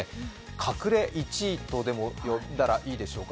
隠れ１位とでも呼んだらいいでしょうか。